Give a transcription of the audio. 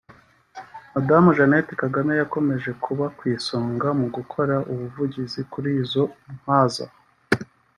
Madame Jeannette Kagame yakomeje kuba ku isonga mu gukora ubuvugizi kuri izo Ntwaza